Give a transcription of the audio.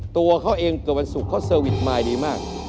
ตัวเขาเองตัววันสุขเขาเซอร์วิทย์ไมค์ดีมาก